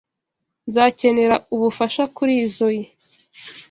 Nzakenera ubufasha kurizoi.